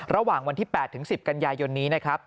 ระหว่างวันที่๘ถึง๑๐กันยายนนี้นะครับ